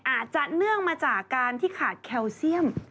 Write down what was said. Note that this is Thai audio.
เนื่องมาจากการที่ขาดแคลเซียม